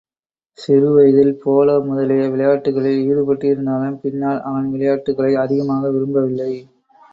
சிறுவயதில் போலோ முதலிய விளையாட்டுக்களில் ஈடுபட்டிருந்தாலும், பின்னால் அவன் விளையாட்டுக்களை அதிகமாக விரும்பவில்லை.